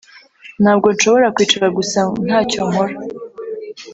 Ntabwo nshobora kwicara gusa ntacyo nkora